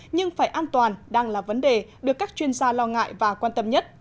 nhưng phải an toàn đang là vấn đề được các chuyên gia lo ngại và quan tâm nhất